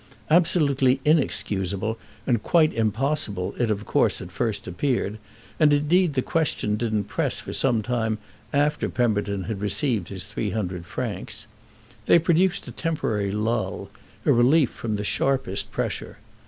Absolutely inexcusable and quite impossible it of course at first appeared; and indeed the question didn't press for some time after Pemberton had received his three hundred francs. They produced a temporary lull, a relief from the sharpest pressure.